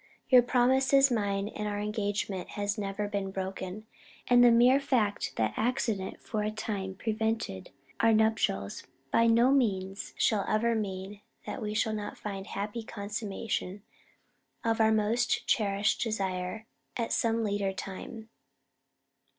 Your promise is mine and our Engagement never has been Broken, and the Mere fact that accident for the time Prevented our Nuptials by no means shall ever mean that we shall not find Happy Consumation of our most Cherished Desire at some later Time.